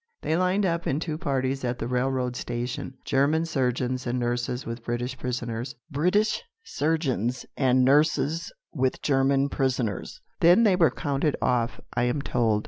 They lined up in two parties at the railroad station, German surgeons and nurses with British prisoners, British surgeons and nurses with German prisoners. Then they were counted off, I am told.